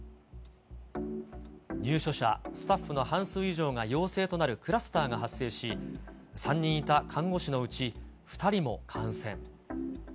入所者、スタッフの半数以上が陽性となるクラスターが発生し、３人いた看護師のうち２人も感染。